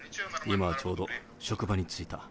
今はちょうど職場に着いた。